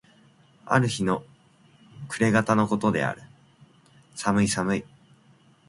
ある日の暮方の事である。寒い寒い。